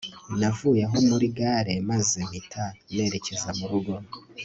Navuye aho muri gare maze mpita nerekeza murugo